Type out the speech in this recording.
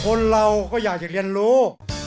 คนเราก็อยากจะเรียนรู้